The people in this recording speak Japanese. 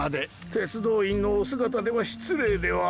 鉄道員のお姿では失礼では？